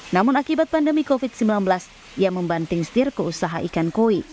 namun akibat pandemi covid sembilan belas ia membanting setir ke usaha ikan koi